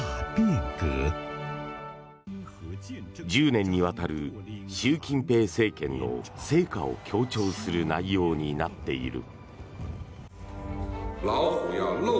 １０年にわたる習近平政権の成果を強調する内容になっている。